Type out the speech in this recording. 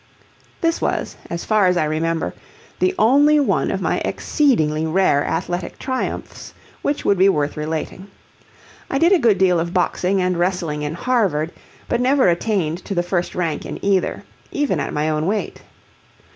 This was, as far as I remember, the only one of my exceedingly rare athletic triumphs which would be worth relating. I did a good deal of boxing and wrestling in Harvard, but never attained to the first rank in either, even at my own weight.